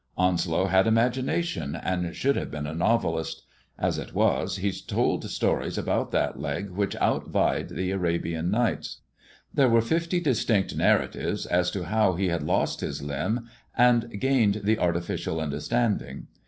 Onslow had imagination, and should have been a novelist. As it was, he told stories about that leg which outvied the Arabian Nights.*' There were fifty distinct narratives as to how he had lost bis limb and gained the artificial understanding.